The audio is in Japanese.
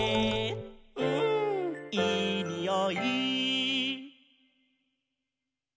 「うんいいにおい」